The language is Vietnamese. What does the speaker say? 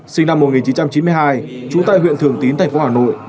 sinh năm một nghìn chín trăm chín mươi hai trú tại huyện thường tín tp hà nội